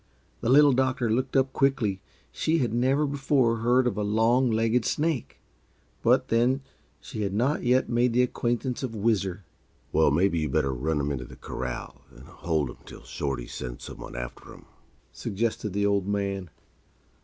The Little Doctor looked up quickly. She had never before heard of a "long legged snake" but then, she had not yet made the acquaintance of Whizzer. "Well, maybe you better run 'em into the corral and hold 'em till Shorty sends some one after 'em," suggested the Old Man.